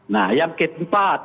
nah yang keempat